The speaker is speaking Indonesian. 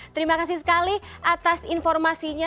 terima kasih sekali atas informasinya